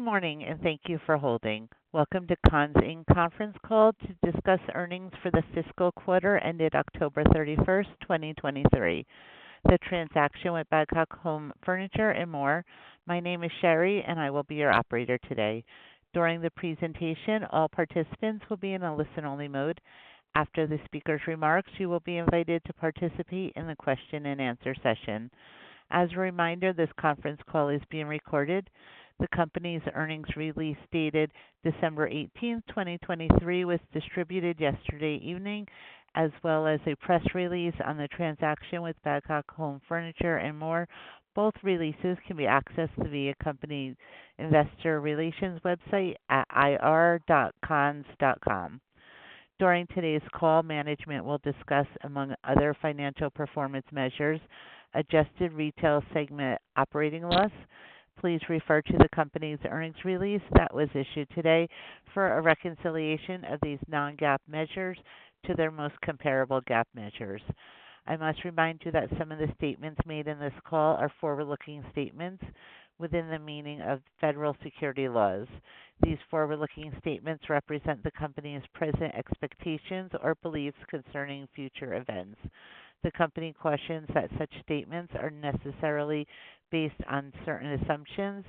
Good morning, and thank you for holding. Welcome to Conn's, Inc. conference call to discuss earnings for the fiscal quarter ended October 31, 2023. The transaction with Badcock Home Furniture & More. My name is Sherry, and I will be your operator today. During the presentation, all participants will be in a listen-only mode. After the speaker's remarks, you will be invited to participate in the question-and-answer session. As a reminder, this conference call is being recorded. The company's earnings release dated December 18, 2023, was distributed yesterday evening, as well as a press release on the transaction with Badcock Home Furniture & More. Both releases can be accessed via company investor relations website at ir.conns.com. During today's call, management will discuss, among other financial performance measures, Adjusted Retail Segment Operating Loss. Please refer to the company's earnings release that was issued today for a reconciliation of these non-GAAP measures to their most comparable GAAP measures. I must remind you that some of the statements made in this call are forward-looking statements within the meaning of federal securities laws. These forward-looking statements represent the company's present expectations or beliefs concerning future events. The company cautions that such statements are necessarily based on certain assumptions,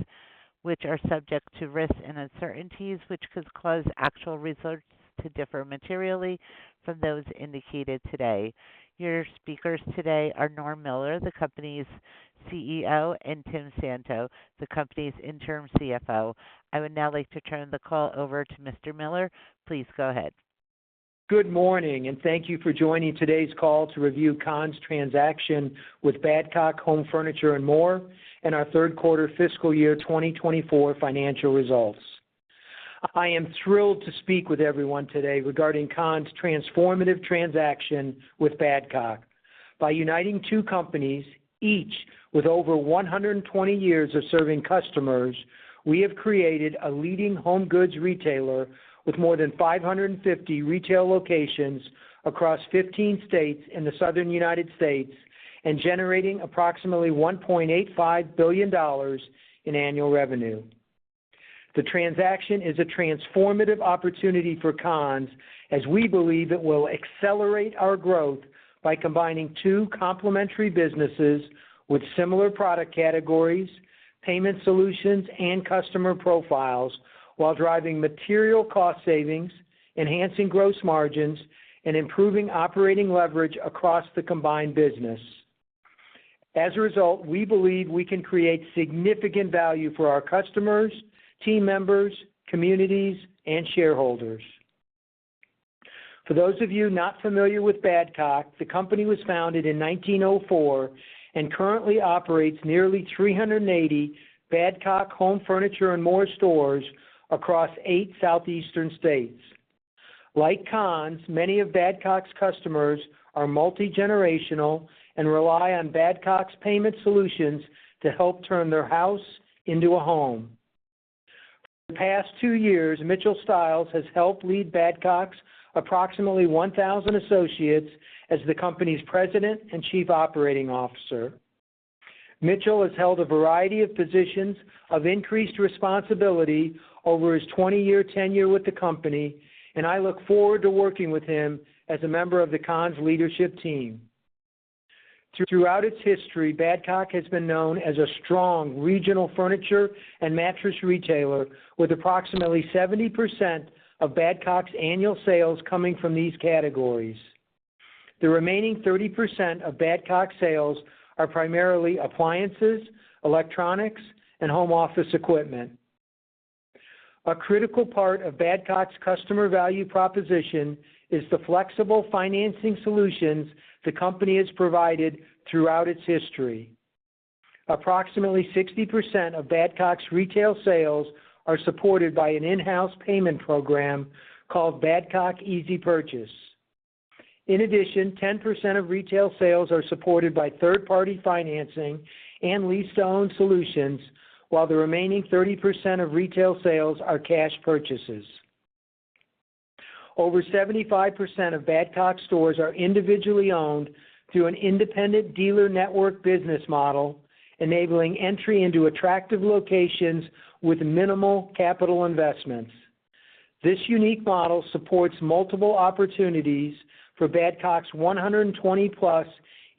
which are subject to risks and uncertainties, which could cause actual results to differ materially from those indicated today. Your speakers today are Norm Miller, the company's CEO, and Tim Santo, the company's interim CFO. I would now like to turn the call over to Mr. Miller. Please go ahead. Good morning, and thank you for joining today's call to review Conn's transaction with Badcock Home Furniture & more, and our third quarter fiscal year 2024 financial results. I am thrilled to speak with everyone today regarding Conn's transformative transaction with Badcock. By uniting two companies, each with over 120 years of serving customers, we have created a leading home goods retailer with more than 550 retail locations across 15 states in the Southern United States and generating approximately $1.85 billion in annual revenue. The transaction is a transformative opportunity for Conn's as we believe it will accelerate our growth by combining two complementary businesses with similar product categories, payment solutions, and customer profiles while driving material cost savings, enhancing gross margins, and improving operating leverage across the combined business. As a result, we believe we can create significant value for our customers, team members, communities, and shareholders. For those of you not familiar with Badcock, the company was founded in 1904 and currently operates nearly 380 Badcock Home Furniture & More stores across eight Southeastern states. Like Conn's, many of Badcock's customers are multigenerational and rely on Badcock's payment solutions to help turn their house into a home. For the past two years, Mitchell Stiles has helped lead Badcock's approximately 1,000 associates as the company's President and Chief Operating Officer. Mitchell has held a variety of positions of increased responsibility over his 20-year tenure with the company, and I look forward to working with him as a member of the Conn's leadership team. Throughout its history, Badcock has been known as a strong regional furniture and mattress retailer, with approximately 70% of Badcock's annual sales coming from these categories. The remaining 30% of Badcock's sales are primarily appliances, electronics, and home office equipment. A critical part of Badcock's customer value proposition is the flexible financing solutions the company has provided throughout its history. Approximately 60% of Badcock's retail sales are supported by an in-house payment program called Badcock Easy Purchase. In addition, 10% of retail sales are supported by third-party financing and lease-to-own solutions, while the remaining 30% of retail sales are cash purchases. Over 75% of Badcock stores are individually owned through an independent dealer network business model, enabling entry into attractive locations with minimal capital investments. This unique model supports multiple opportunities for Badcock's 120+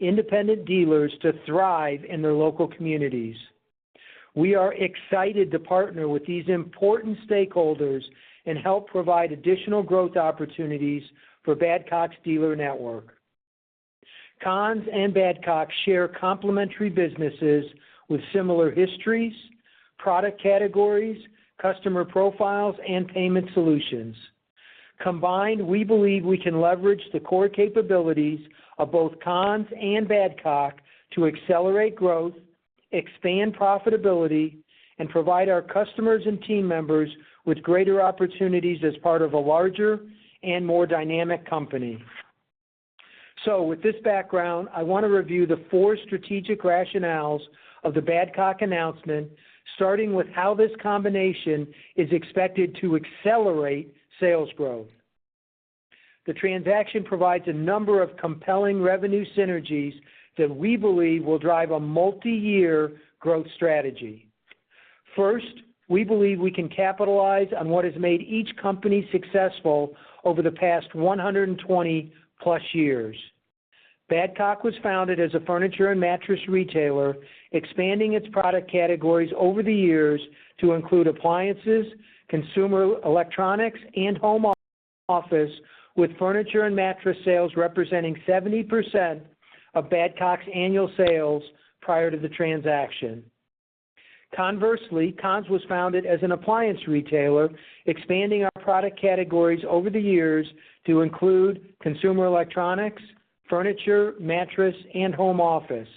independent dealers to thrive in their local communities. We are excited to partner with these important stakeholders and help provide additional growth opportunities for Badcock's dealer network. Conn's and Badcock share complementary businesses with similar histories, product categories, customer profiles, and payment solutions. Combined, we believe we can leverage the core capabilities of both Conn's and Badcock to accelerate growth, expand profitability, and provide our customers and team members with greater opportunities as part of a larger and more dynamic company. So with this background, I want to review the four strategic rationales of the Badcock announcement, starting with how this combination is expected to accelerate sales growth. The transaction provides a number of compelling revenue synergies that we believe will drive a multi-year growth strategy. First, we believe we can capitalize on what has made each company successful over the past 120+ years. Badcock was founded as a furniture and mattress retailer, expanding its product categories over the years to include appliances, consumer electronics, and home office, with furniture and mattress sales representing 70% of Badcock's annual sales prior to the transaction. Conversely, Conn's was founded as an appliance retailer, expanding our product categories over the years to include consumer electronics, furniture, mattress, and home office.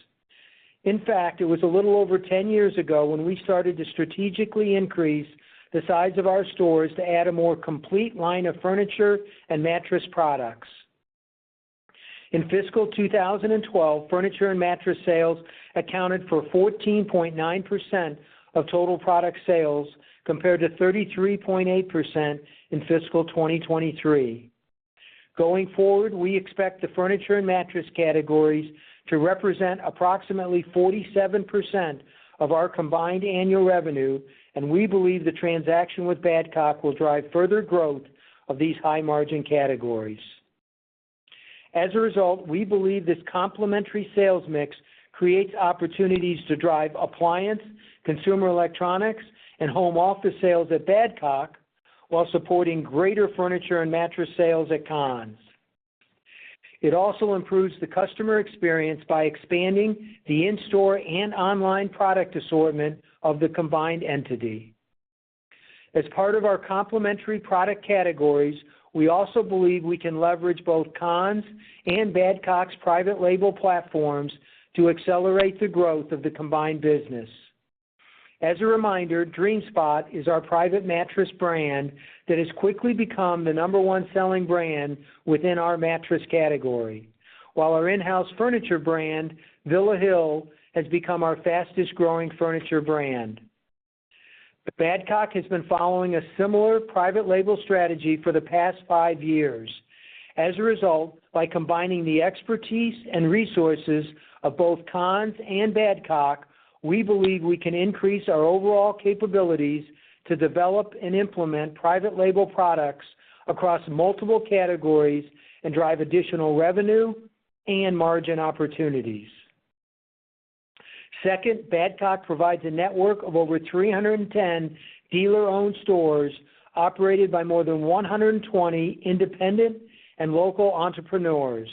In fact, it was a little over 10 years ago when we started to strategically increase the size of our stores to add a more complete line of furniture and mattress products. In fiscal 2012, furniture and mattress sales accounted for 14.9% of total product sales, compared to 33.8% in fiscal 2023. Going forward, we expect the furniture and mattress categories to represent approximately 47% of our combined annual revenue, and we believe the transaction with Badcock will drive further growth of these high-margin categories. As a result, we believe this complementary sales mix creates opportunities to drive appliance, consumer electronics, and home office sales at Badcock, while supporting greater furniture and mattress sales at Conn's. It also improves the customer experience by expanding the in-store and online product assortment of the combined entity. As part of our complementary product categories, we also believe we can leverage both Conn's and Badcock's private label platforms to accelerate the growth of the combined business. As a reminder, Dreamspot is our private mattress brand that has quickly become the number one selling brand within our mattress category, while our in-house furniture brand, Villa Hill, has become our fastest-growing furniture brand. Badcock has been following a similar private label strategy for the past five years. As a result, by combining the expertise and resources of both Conn's and Badcock, we believe we can increase our overall capabilities to develop and implement private label products across multiple categories and drive additional revenue and margin opportunities. Second, Badcock provides a network of over 310 dealer-owned stores, operated by more than 120 independent and local entrepreneurs.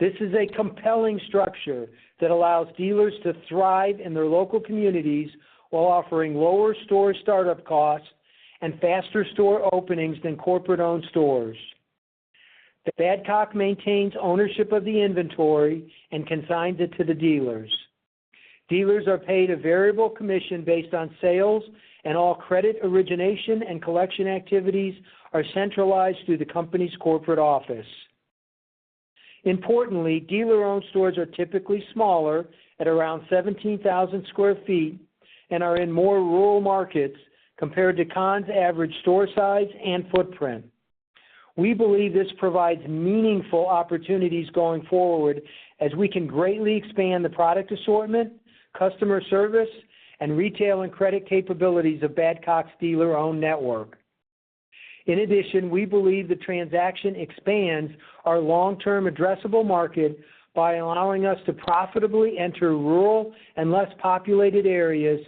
This is a compelling structure that allows dealers to thrive in their local communities while offering lower store startup costs and faster store openings than corporate-owned stores. Badcock maintains ownership of the inventory and consigns it to the dealers. Dealers are paid a variable commission based on sales, and all credit origination and collection activities are centralized through the company's corporate office. Importantly, dealer-owned stores are typically smaller, at around 17,000 sq ft, and are in more rural markets compared to Conn's average store size and footprint. We believe this provides meaningful opportunities going forward, as we can greatly expand the product assortment, customer service, and retail and credit capabilities of Badcock's dealer-owned network. In addition, we believe the transaction expands our long-term addressable market by allowing us to profitably enter rural and less populated areas,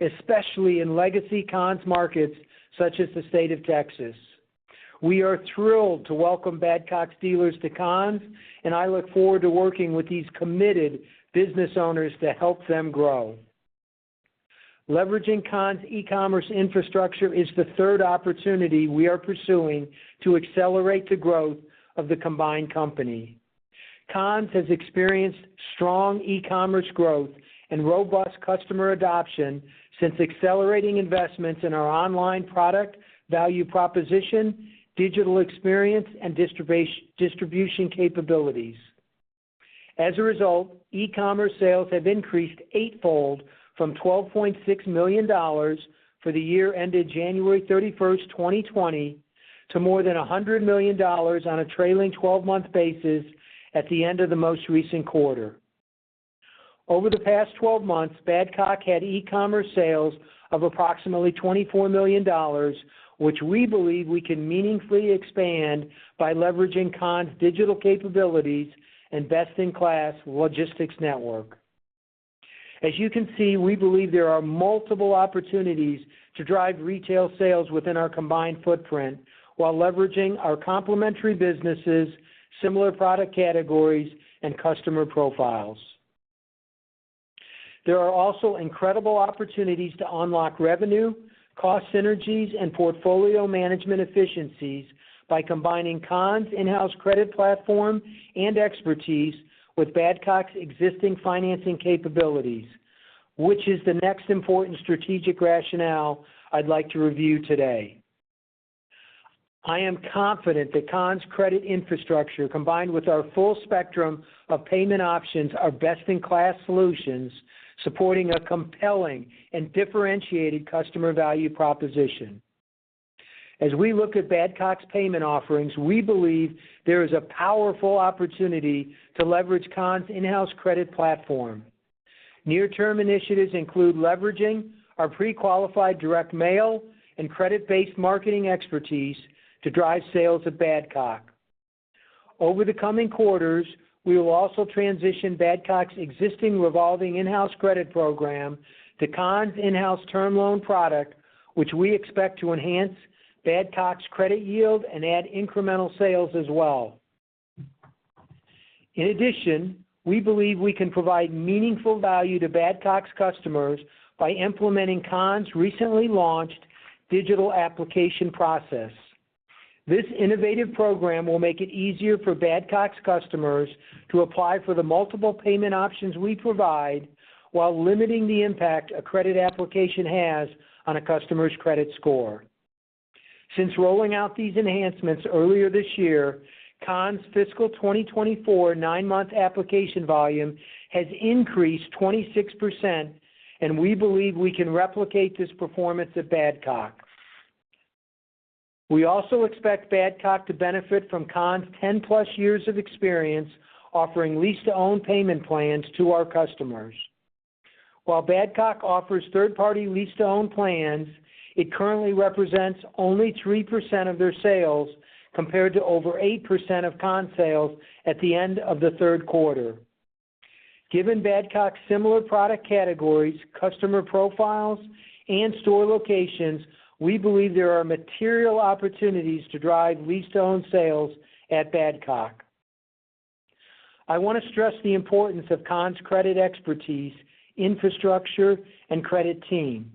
especially in legacy Conn's markets, such as the state of Texas. We are thrilled to welcome Badcock's dealers to Conn's, and I look forward to working with these committed business owners to help them grow. Leveraging Conn's e-commerce infrastructure is the third opportunity we are pursuing to accelerate the growth of the combined company. Conn's has experienced strong e-commerce growth and robust customer adoption since accelerating investments in our online product, value proposition, digital experience, and distribution capabilities. As a result, e-commerce sales have increased eightfold from $12.6 million for the year ended January 31, 2020, to more than $100 million on a trailing 12-month basis at the end of the most recent quarter. Over the past 12 months, Badcock had e-commerce sales of approximately $24 million, which we believe we can meaningfully expand by leveraging Conn's digital capabilities and best-in-class logistics network. As you can see, we believe there are multiple opportunities to drive retail sales within our combined footprint while leveraging our complementary businesses, similar product categories, and customer profiles. There are also incredible opportunities to unlock revenue, cost synergies, and portfolio management efficiencies by combining Conn's in-house credit platform and expertise with Badcock's existing financing capabilities, which is the next important strategic rationale I'd like to review today. I am confident that Conn's credit infrastructure, combined with our full spectrum of payment options, are best-in-class solutions supporting a compelling and differentiated customer value proposition. As we look at Badcock's payment offerings, we believe there is a powerful opportunity to leverage Conn's in-house credit platform. Near-term initiatives include leveraging our pre-qualified direct mail and credit-based marketing expertise to drive sales at Badcock. Over the coming quarters, we will also transition Badcock's existing revolving in-house credit program to Conn's in-house term loan product, which we expect to enhance Badcock's credit yield and add incremental sales as well. In addition, we believe we can provide meaningful value to Badcock's customers by implementing Conn's recently launched digital application process. This innovative program will make it easier for Badcock's customers to apply for the multiple payment options we provide, while limiting the impact a credit application has on a customer's credit score. Since rolling out these enhancements earlier this year, Conn's fiscal 2024 nine-month application volume has increased 26%, and we believe we can replicate this performance at Badcock. We also expect Badcock to benefit from Conn's 10+ years of experience, offering lease-to-own payment plans to our customers. While Badcock offers third-party lease-to-own plans, it currently represents only 3% of their sales, compared to over 8% of Conn's sales at the end of the third quarter. Given Badcock's similar product categories, customer profiles, and store locations, we believe there are material opportunities to drive lease-to-own sales at Badcock. I want to stress the importance of Conn's credit expertise, infrastructure, and credit team.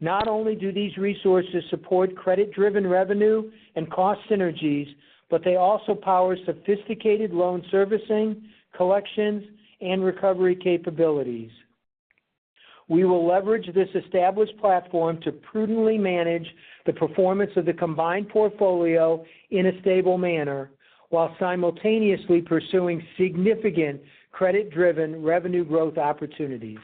Not only do these resources support credit-driven revenue and cost synergies, but they also power sophisticated loan servicing, collections, and recovery capabilities. We will leverage this established platform to prudently manage the performance of the combined portfolio in a stable manner, while simultaneously pursuing significant credit-driven revenue growth opportunities.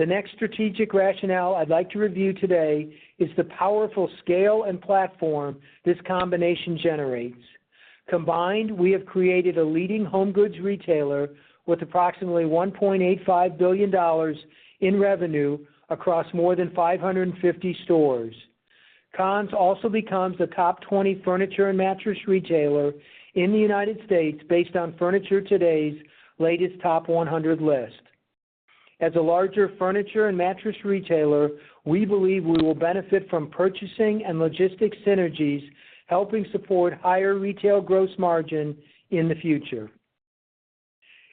The next strategic rationale I'd like to review today is the powerful scale and platform this combination generates. Combined, we have created a leading home goods retailer with approximately $1.85 billion in revenue across more than 550 stores. Conn's also becomes a top 20 furniture and mattress retailer in the United States based on Furniture Today's latest Top 100 list. As a larger furniture and mattress retailer, we believe we will benefit from purchasing and logistics synergies, helping support higher retail gross margin in the future.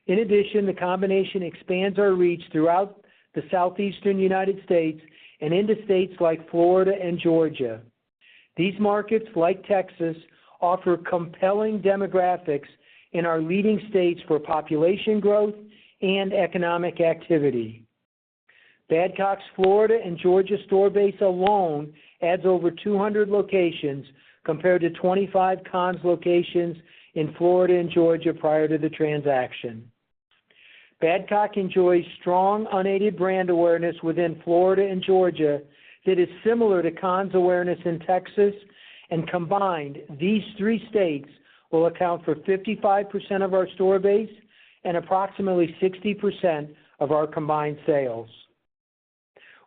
In addition, the combination expands our reach throughout the Southeastern United States and into states like Florida and Georgia. These markets, like Texas, offer compelling demographics and are leading states for population growth and economic activity. Badcock's Florida and Georgia store base alone adds over 200 locations, compared to 25 Conn's locations in Florida and Georgia prior to the transaction. Badcock enjoys strong unaided brand awareness within Florida and Georgia that is similar to Conn's awareness in Texas, and combined, these three states will account for 55% of our store base and approximately 60% of our combined sales.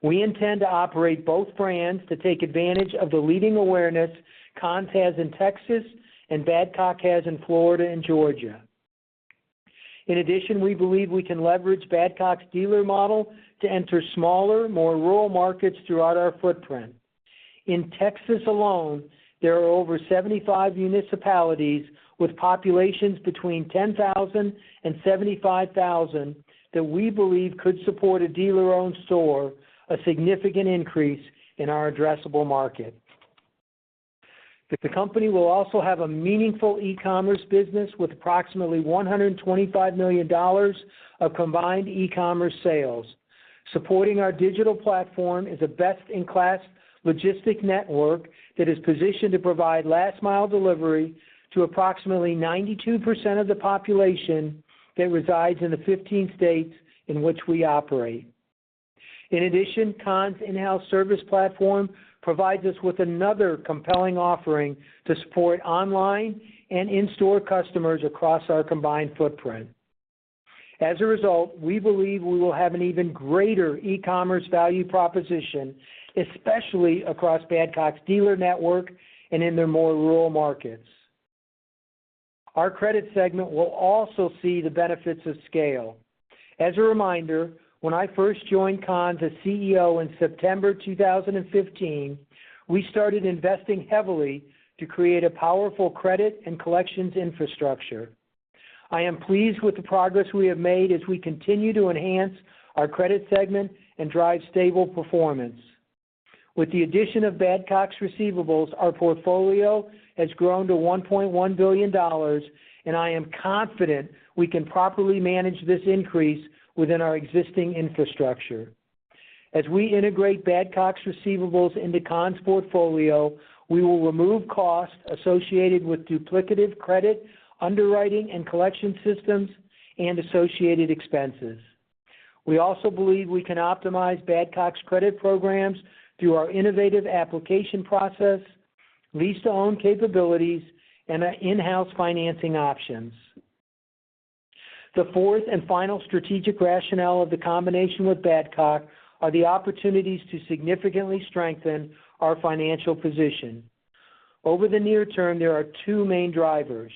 We intend to operate both brands to take advantage of the leading awareness Conn's has in Texas and Badcock has in Florida and Georgia. In addition, we believe we can leverage Badcock's dealer model to enter smaller, more rural markets throughout our footprint. In Texas alone, there are over 75 municipalities with populations between 10,000 and 75,000 that we believe could support a dealer-owned store, a significant increase in our addressable market. The company will also have a meaningful e-commerce business with approximately $125 million of combined e-commerce sales. Supporting our digital platform is a best-in-class logistic network that is positioned to provide last-mile delivery to approximately 92% of the population that resides in the 15 states in which we operate. In addition, Conn's in-house service platform provides us with another compelling offering to support online and in-store customers across our combined footprint. As a result, we believe we will have an even greater e-commerce value proposition, especially across Badcock's dealer network and in their more rural markets. Our credit segment will also see the benefits of scale. As a reminder, when I first joined Conn's as CEO in September 2015, we started investing heavily to create a powerful credit and collections infrastructure. I am pleased with the progress we have made as we continue to enhance our credit segment and drive stable performance. With the addition of Badcock's receivables, our portfolio has grown to $1.1 billion, and I am confident we can properly manage this increase within our existing infrastructure. As we integrate Badcock's receivables into Conn's portfolio, we will remove costs associated with duplicative credit, underwriting, and collection systems and associated expenses. We also believe we can optimize Badcock's credit programs through our innovative application process, lease-to-own capabilities, and our in-house financing options. The fourth and final strategic rationale of the combination with Badcock are the opportunities to significantly strengthen our financial position. Over the near term, there are two main drivers.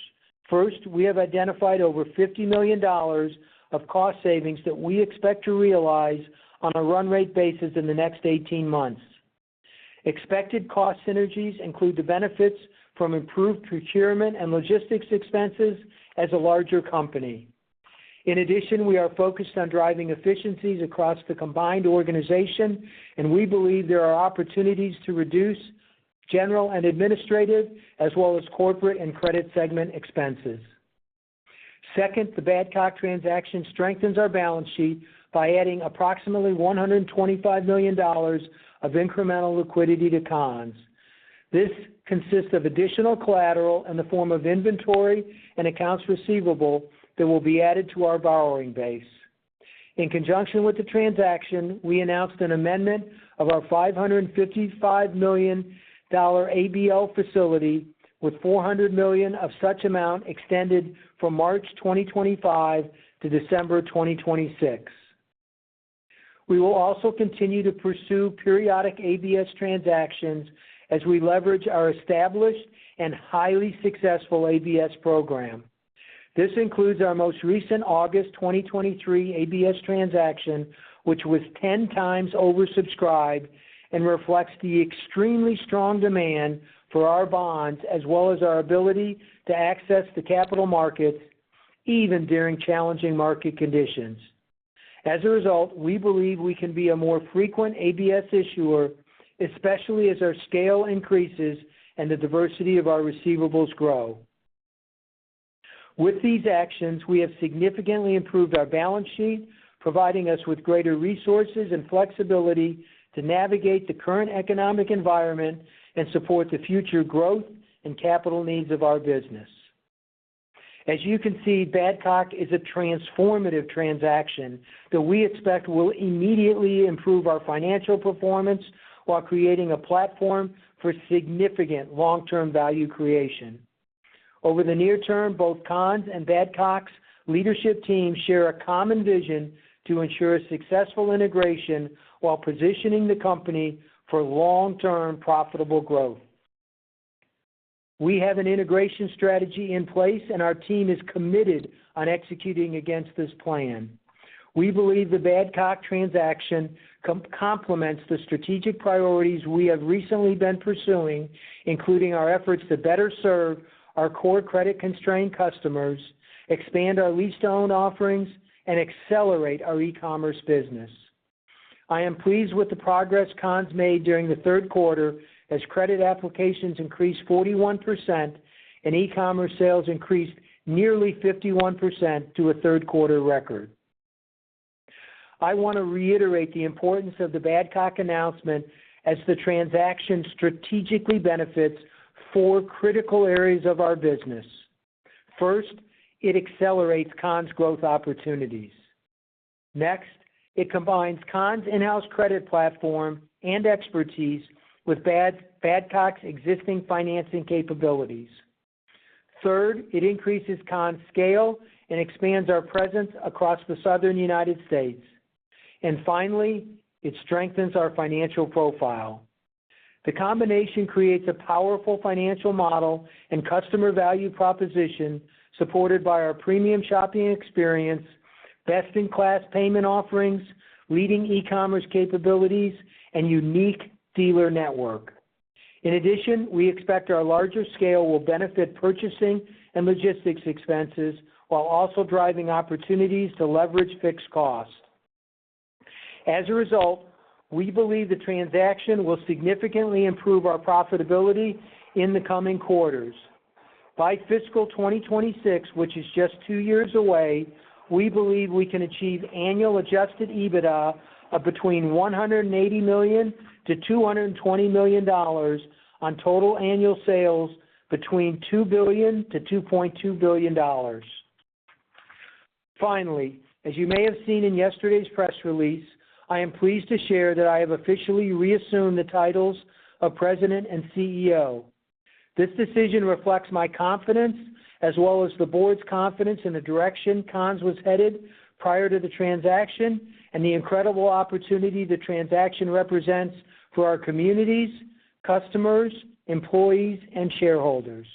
First, we have identified over $50 million of cost savings that we expect to realize on a run rate basis in the next 18 months. Expected cost synergies include the benefits from improved procurement and logistics expenses as a larger company. In addition, we are focused on driving efficiencies across the combined organization, and we believe there are opportunities to reduce general and administrative, as well as corporate and credit segment expenses. Second, the Badcock transaction strengthens our balance sheet by adding approximately $125 million of incremental liquidity to Conn's. This consists of additional collateral in the form of inventory and accounts receivable that will be added to our borrowing base. In conjunction with the transaction, we announced an amendment of our $555 million ABL facility, with $400 million of such amount extended from March 2025 to December 2026. We will also continue to pursue periodic ABS transactions as we leverage our established and highly successful ABS program. This includes our most recent August 2023 ABS transaction, which was 10x oversubscribed and reflects the extremely strong demand for our bonds, as well as our ability to access the capital markets even during challenging market conditions. As a result, we believe we can be a more frequent ABS issuer, especially as our scale increases and the diversity of our receivables grow. With these actions, we have significantly improved our balance sheet, providing us with greater resources and flexibility to navigate the current economic environment and support the future growth and capital needs of our business. As you can see, Badcock is a transformative transaction that we expect will immediately improve our financial performance while creating a platform for significant long-term value creation. Over the near term, both Conn's and Badcock's leadership teams share a common vision to ensure successful integration while positioning the company for long-term profitable growth. We have an integration strategy in place, and our team is committed on executing against this plan. We believe the Badcock transaction complements the strategic priorities we have recently been pursuing, including our efforts to better serve our core credit-constrained customers, expand our lease-to-own offerings, and accelerate our e-commerce business. I am pleased with the progress Conn's made during the third quarter, as credit applications increased 41% and e-commerce sales increased nearly 51% to a third quarter record. I want to reiterate the importance of the Badcock announcement as the transaction strategically benefits four critical areas of our business. First, it accelerates Conn's growth opportunities. Next, it combines Conn's in-house credit platform and expertise with Badcock's existing financing capabilities. Third, it increases Conn's scale and expands our presence across the Southern United States. And finally, it strengthens our financial profile. The combination creates a powerful financial model and customer value proposition, supported by our premium shopping experience, best-in-class payment offerings, leading e-commerce capabilities, and unique dealer network. In addition, we expect our larger scale will benefit purchasing and logistics expenses, while also driving opportunities to leverage fixed costs. As a result, we believe the transaction will significantly improve our profitability in the coming quarters. By fiscal 2026, which is just two years away, we believe we can achieve annual Adjusted EBITDA of between $180 million-$220 million on total annual sales between $2 billion-$2.2 billion. Finally, as you may have seen in yesterday's press release, I am pleased to share that I have officially reassumed the titles of President and CEO. This decision reflects my confidence, as well as the board's confidence, in the direction Conn's was headed prior to the transaction, and the incredible opportunity the transaction represents for our communities, customers, employees, and shareholders.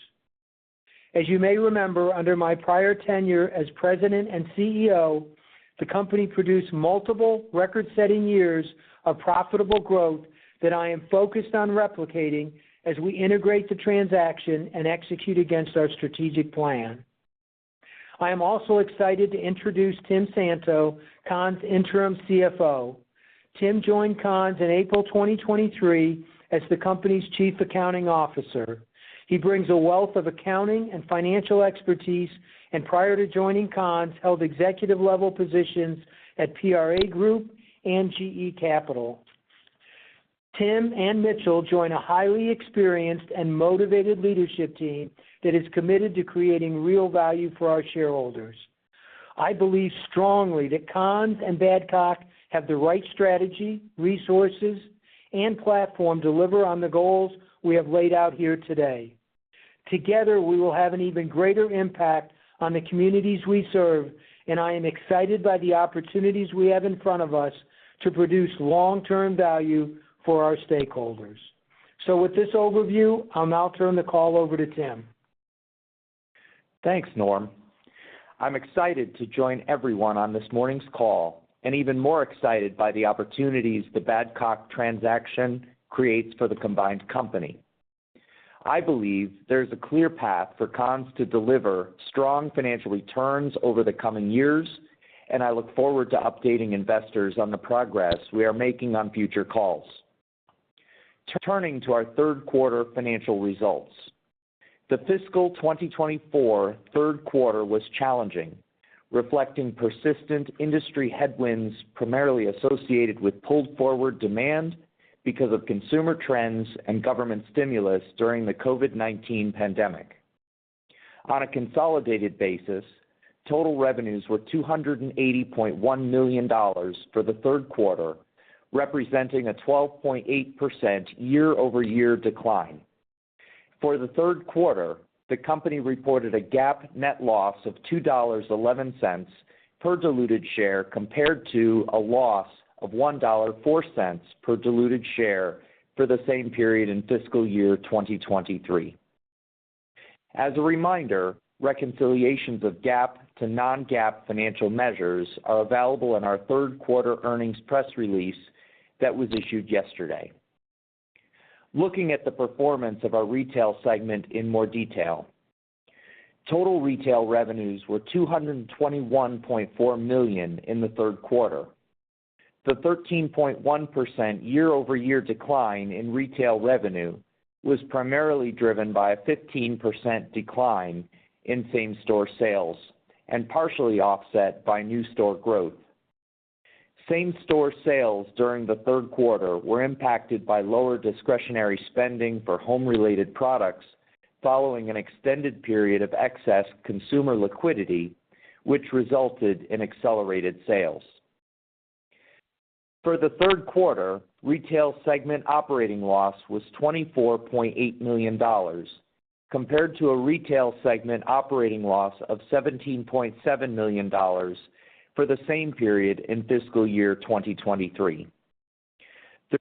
As you may remember, under my prior tenure as President and CEO, the company produced multiple record-setting years of profitable growth that I am focused on replicating as we integrate the transaction and execute against our strategic plan. I am also excited to introduce Tim Santo, Conn's Interim CFO. Tim joined Conn's in April 2023 as the company's Chief Accounting Officer. He brings a wealth of accounting and financial expertise, and prior to joining Conn's, held executive-level positions at PRA Group and GE Capital. Tim and Mitchell join a highly experienced and motivated leadership team that is committed to creating real value for our shareholders. I believe strongly that Conn's and Badcock have the right strategy, resources, and platform to deliver on the goals we have laid out here today. Together, we will have an even greater impact on the communities we serve, and I am excited by the opportunities we have in front of us to produce long-term value for our stakeholders. With this overview, I'll now turn the call over to Tim. Thanks, Norm. I'm excited to join everyone on this morning's call, and even more excited by the opportunities the Badcock transaction creates for the combined company. I believe there's a clear path for Conn's to deliver strong financial returns over the coming years, and I look forward to updating investors on the progress we are making on future calls. Turning to our third quarter financial results. The fiscal 2024 third quarter was challenging, reflecting persistent industry headwinds, primarily associated with pulled forward demand because of consumer trends and government stimulus during the COVID-19 pandemic. On a consolidated basis, total revenues were $280.1 million for the third quarter, representing a 12.8% year-over-year decline. For the third quarter, the company reported a GAAP net loss of $2.11 per diluted share, compared to a loss of $1.04 per diluted share for the same period in fiscal year 2023. As a reminder, reconciliations of GAAP to non-GAAP financial measures are available in our third quarter earnings press release that was issued yesterday. Looking at the performance of our retail segment in more detail. Total retail revenues were $221.4 million in the third quarter. The 13.1% year-over-year decline in retail revenue was primarily driven by a 15% decline in same-store sales and partially offset by new store growth. Same-store sales during the third quarter were impacted by lower discretionary spending for home-related products, following an extended period of excess consumer liquidity, which resulted in accelerated sales. For the third quarter, retail segment operating loss was $24.8 million, compared to a retail segment operating loss of $17.7 million for the same period in fiscal year 2023.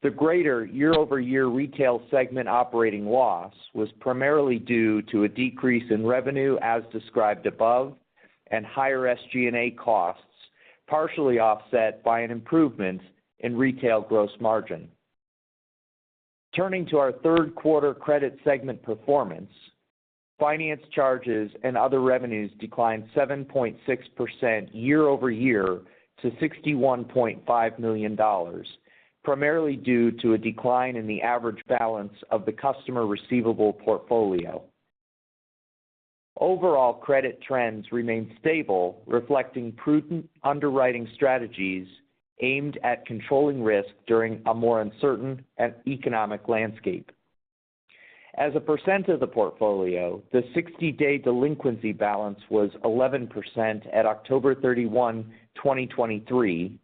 The greater year-over-year retail segment operating loss was primarily due to a decrease in revenue, as described above, and higher SG&A costs, partially offset by an improvement in retail gross margin. Turning to our third quarter credit segment performance. Finance charges and other revenues declined 7.6% year-over-year to $61.5 million, primarily due to a decline in the average balance of the customer receivable portfolio. Overall, credit trends remained stable, reflecting prudent underwriting strategies aimed at controlling risk during a more uncertain and economic landscape. As a percent of the portfolio, the 60-day delinquency balance was 11% at October 31, 2023,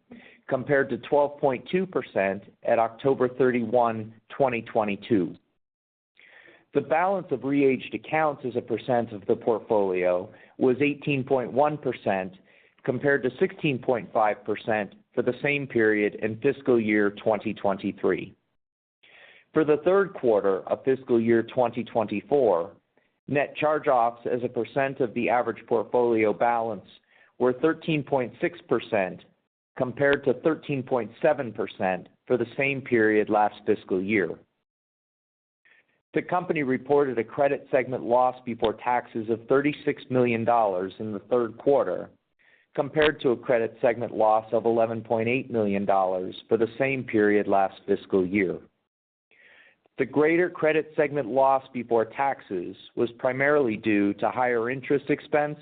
compared to 12.2% at October 31, 2022. The balance of re-aged accounts as a percent of the portfolio was 18.1%, compared to 16.5% for the same period in fiscal year 2023. For the third quarter of fiscal year 2024, net charge-offs as a percent of the average portfolio balance were 13.6%, compared to 13.7% for the same period last fiscal year. The company reported a credit segment loss before taxes of $36 million in the third quarter, compared to a credit segment loss of $11.8 million for the same period last fiscal year. The greater credit segment loss before taxes was primarily due to higher interest expense,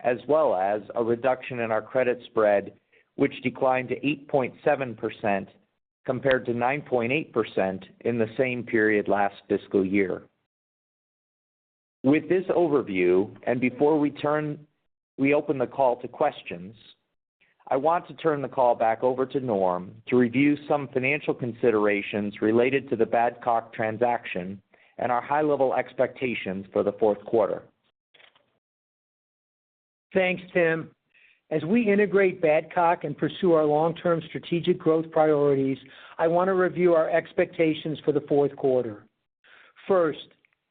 as well as a reduction in our credit spread, which declined to 8.7%, compared to 9.8% in the same period last fiscal year. With this overview, and before we open the call to questions, I want to turn the call back over to Norm to review some financial considerations related to the Badcock transaction and our high-level expectations for the fourth quarter. Thanks, Tim. As we integrate Badcock and pursue our long-term strategic growth priorities, I want to review our expectations for the fourth quarter. First,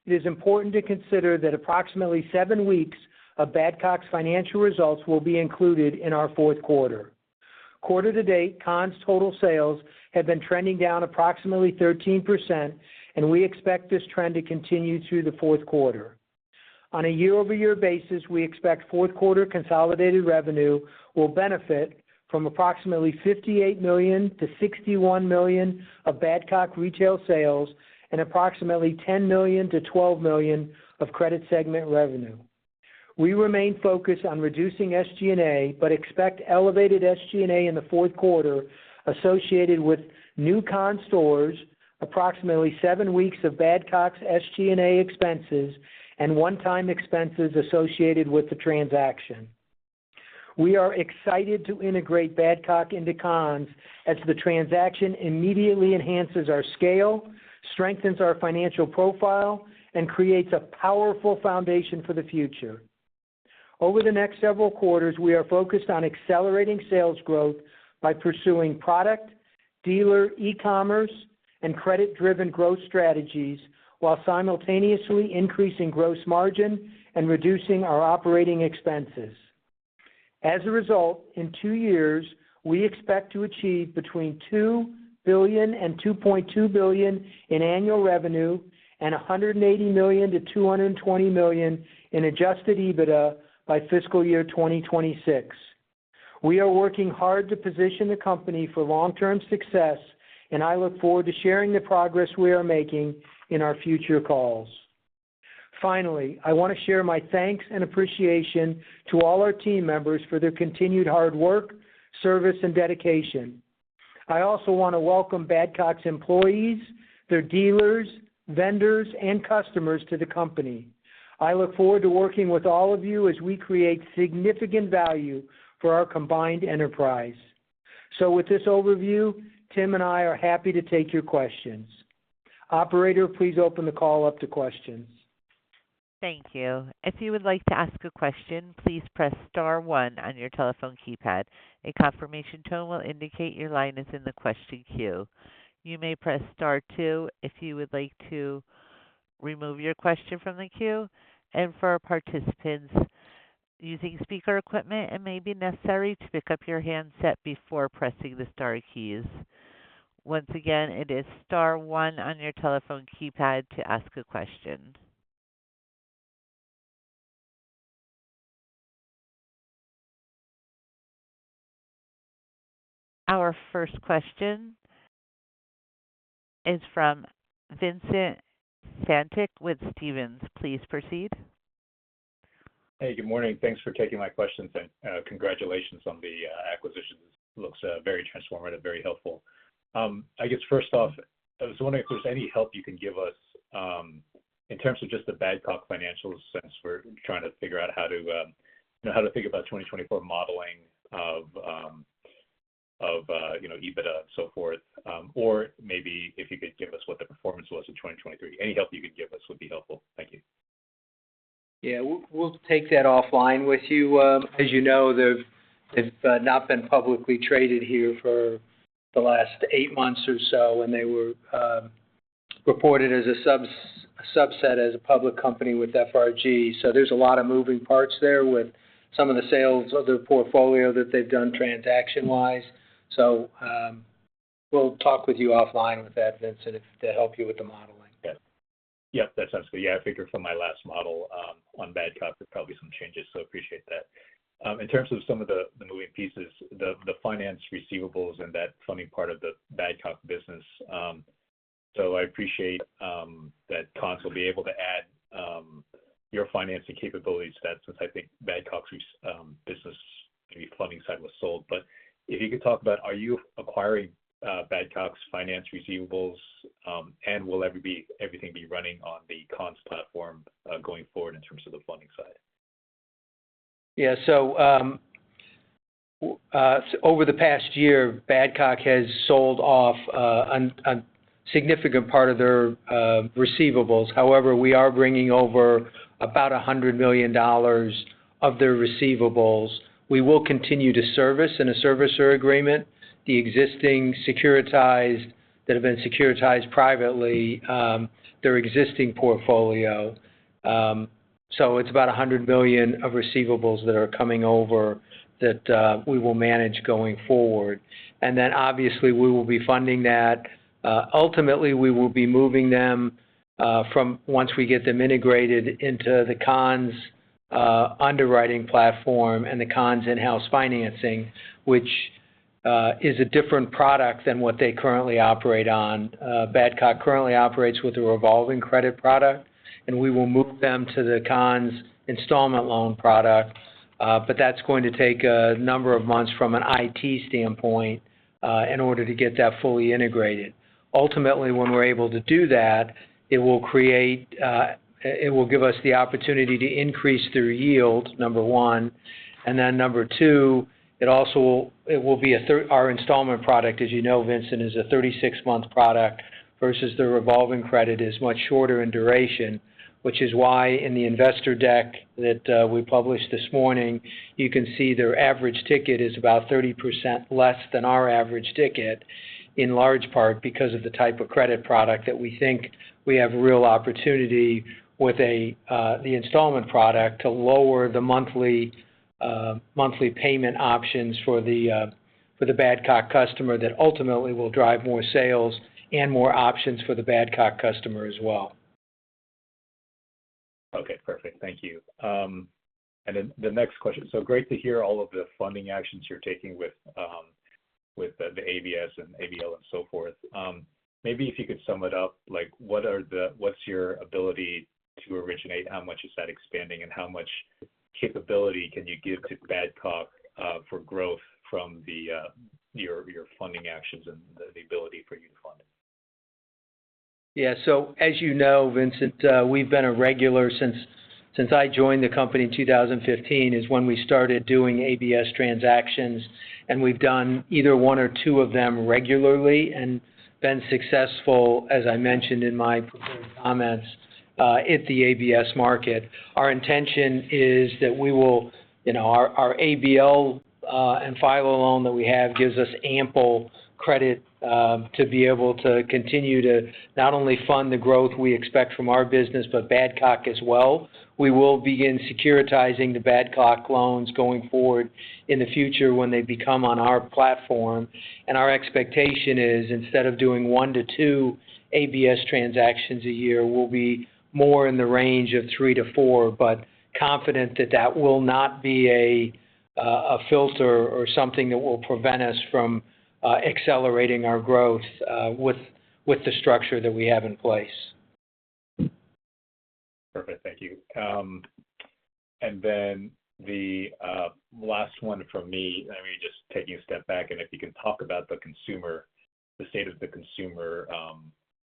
it is important to consider that approximately seven weeks of Badcock's financial results will be included in our fourth quarter. Quarter to date, Conn's total sales have been trending down approximately 13%, and we expect this trend to continue through the fourth quarter. On a year-over-year basis, we expect fourth quarter consolidated revenue will benefit from approximately $58 million-$61 million of Badcock retail sales and approximately $10 million-$12 million of credit segment revenue. We remain focused on reducing SG&A, but expect elevated SG&A in the fourth quarter associated with new Conn's stores, approximately seven weeks of Badcock's SG&A expenses, and one-time expenses associated with the transaction. We are excited to integrate Badcock into Conn's, as the transaction immediately enhances our scale, strengthens our financial profile, and creates a powerful foundation for the future. Over the next several quarters, we are focused on accelerating sales growth by pursuing product, dealer, e-commerce, and credit-driven growth strategies, while simultaneously increasing gross margin and reducing our operating expenses. As a result, in two years, we expect to achieve between $2 billion and $2.2 billion in annual revenue and $180 million to $220 million in Adjusted EBITDA by fiscal year 2026. We are working hard to position the company for long-term success, and I look forward to sharing the progress we are making in our future calls. Finally, I want to share my thanks and appreciation to all our team members for their continued hard work, service, and dedication. I also want to welcome Badcock's employees, their dealers, vendors, and customers to the company. I look forward to working with all of you as we create significant value for our combined enterprise. So with this overview, Tim and I are happy to take your questions. Operator, please open the call up to questions. Thank you. If you would like to ask a question, please press star one on your telephone keypad. A confirmation tone will indicate your line is in the question queue. You may press Star two if you would like to remove your question from the queue, and for participants using speaker equipment, it may be necessary to pick up your handset before pressing the star keys. Once again, it is star one on your telephone keypad to ask a question. Our first question is from Vincent Caintic with Stephens. Please proceed. Hey, good morning. Thanks for taking my questions, and congratulations on the acquisition. It looks very transformative, very helpful. I guess first off, I was wondering if there's any help you can give us in terms of just the Badcock financial sense. We're trying to figure out how to, you know, how to think about 2024 modeling of, of, you know, EBITDA, so forth. Or maybe if you could give us what the performance was in 2023. Any help you could give us would be helpful. Thank you. Yeah, we'll take that offline with you. As you know, they've not been publicly traded here for the last eight months or so, and they were reported as a subset as a public company with FRG. So there's a lot of moving parts there with some of the sales of their portfolio that they've done transaction-wise. So, we'll talk with you offline with that, Vincent, to help you with the modeling. Yeah. Yep, that sounds good. Yeah, I figured from my last model on Badcock, there's probably some changes, so appreciate that. In terms of some of the moving pieces, the finance receivables and that funding part of the Badcock business, so I appreciate that Conn's will be able to add your financing capabilities to that, since I think Badcock's business, maybe financing side was sold. But if you could talk about, are you acquiring Badcock's finance receivables, and will everything be running on the Conn's platform going forward in terms of the funding side? Yeah. So, over the past year, Badcock has sold off a significant part of their receivables. However, we are bringing over about $100 million of their receivables. We will continue to service in a servicer agreement the existing securitized that have been securitized privately their existing portfolio. So it's about $100 million of receivables that are coming over that we will manage going forward. And then obviously, we will be funding that. Ultimately, we will be moving them from once we get them integrated into the Conn's underwriting platform and the Conn's in-house financing, which is a different product than what they currently operate on. Badcock currently operates with a revolving credit product, and we will move them to the Conn's installment loan product. But that's going to take a number of months from an IT standpoint, in order to get that fully integrated. Ultimately, when we're able to do that, it will give us the opportunity to increase their yield, number one. And then number two, our installment product, as you know, Vincent, is a 36-month product versus the revolving credit is much shorter in duration. Which is why in the investor deck that we published this morning, you can see their average ticket is about 30% less than our average ticket, in large part because of the type of credit product that we think we have real opportunity with a the installment product to lower the monthly monthly payment options for the for the Badcock customer that ultimately will drive more sales and more options for the Badcock customer as well. Okay, perfect. Thank you. And then the next question. So great to hear all of the funding actions you're taking with the ABS and ABL and so forth. Maybe if you could sum it up, like, what's your ability to originate? How much is that expanding, and how much capability can you give to Badcock for growth from your funding actions and the ability for you to fund? Yeah. So as you know, Vincent, we've been a regular since, since I joined the company in 2015, is when we started doing ABS transactions. And we've done either one or two of them regularly and been successful, as I mentioned in my prepared comments, at the ABS market. Our intention is that we will. You know, our, our ABL, and FILO loan that we have gives us ample credit, to be able to continue to not only fund the growth we expect from our business, but Badcock as well. We will begin securitizing the Badcock loans going forward in the future when they become on our platform. Our expectation is, instead of doing one to two ABS transactions a year, we'll be more in the range of three to four, but confident that that will not be a filter or something that will prevent us from accelerating our growth with the structure that we have in place. Perfect. Thank you. And then the last one from me, I mean, just taking a step back, and if you can talk about the consumer, the state of the consumer,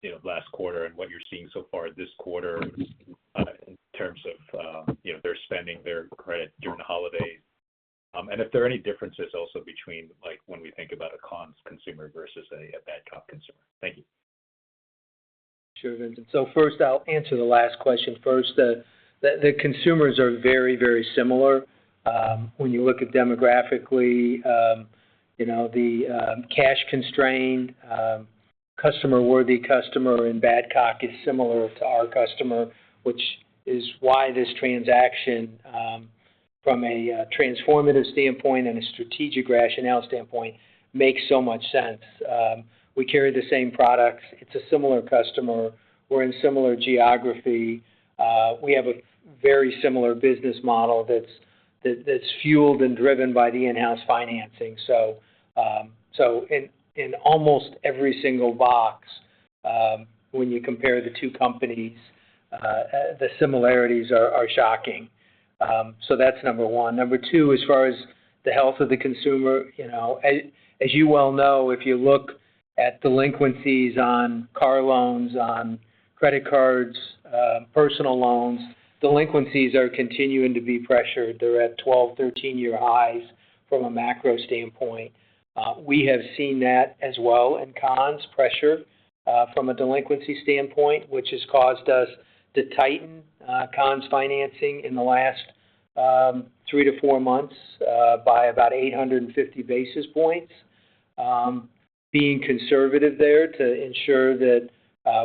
you know, last quarter and what you're seeing so far this quarter, in terms of, you know, their spending, their credit during the holidays. And if there are any differences also between, like, when we think about a Conn's consumer versus a Badcock consumer. Thank you. Sure, Vincent. So first, I'll answer the last question first. The consumers are very, very similar. When you look at demographically, you know, the cash-constrained customer-worthy customer in Badcock is similar to our customer, which is why this transaction, from a transformative standpoint and a strategic rationale standpoint, makes so much sense. We carry the same products. It's a similar customer. We're in similar geography. We have a very similar business model that's fueled and driven by the in-house financing. So, in almost every single box, when you compare the two companies, the similarities are shocking. So that's number one. Number two, as far as the health of the consumer, you know, as you well know, if you look at delinquencies on car loans, on credit cards, personal loans, delinquencies are continuing to be pressured. They're at 12 to 13-year highs from a macro standpoint. We have seen that as well in Conn's pressure from a delinquency standpoint, which has caused us to tighten Conn's financing in the last three to four months by about 850 basis points. Being conservative there to ensure that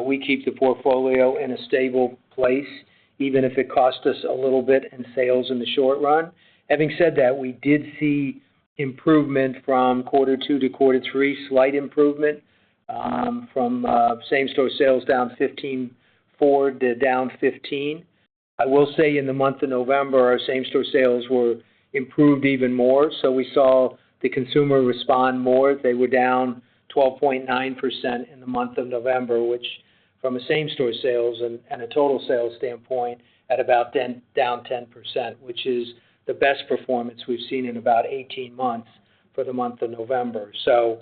we keep the portfolio in a stable place, even if it costs us a little bit in sales in the short run. Having said that, we did see improvement from quarter two to quarter three, slight improvement from same-store sales down 15.4 to down 15. I will say, in the month of November, our same-store sales were improved even more, so we saw the consumer respond more. They were down 12.9% in the month of November, which from a same-store sales and, and a total sales standpoint, at about ten-- down 10%, which is the best performance we've seen in about 18 months for the month of November. So,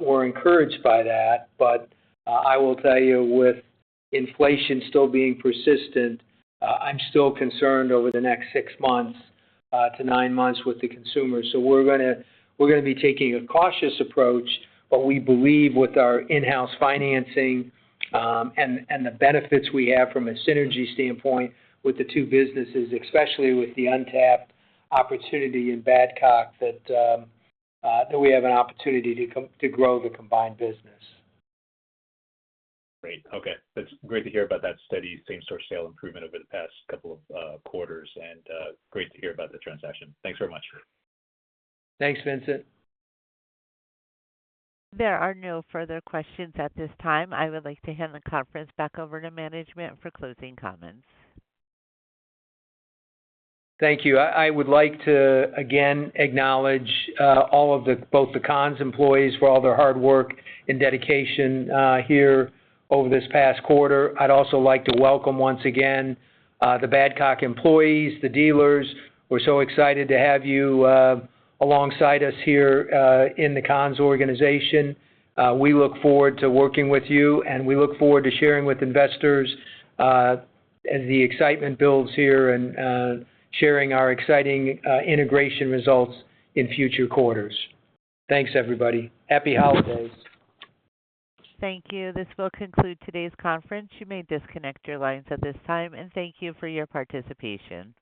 we're encouraged by that, but, I will tell you, with inflation still being persistent, I'm still concerned over the next six months to nine months with the consumer. So we're gonna, we're gonna be taking a cautious approach, but we believe with our in-house financing, and the benefits we have from a synergy standpoint with the two businesses, especially with the untapped opportunity in Badcock, that, that we have an opportunity to grow the combined business. Great. Okay. That's great to hear about that steady same-store sales improvement over the past couple of quarters, and great to hear about the transaction. Thanks very much. Thanks, Vincent. There are no further questions at this time. I would like to hand the conference back over to management for closing comments. Thank you. I would like to again acknowledge all of the—Badcock Home Furniture & Moreboth the Conn's employees for all their hard work and dedication here over this past quarter. I'd also like to welcome once again the Badcock employees, the dealers. We're so excited to have you alongside us here in the Conn's organization. We look forward to working with you, and we look forward to sharing with investors as the excitement builds here and sharing our exciting integration results in future quarters. Thanks, everybody. Happy holidays. Thank you. This will conclude today's conference. You may disconnect your lines at this time, and thank you for your participation.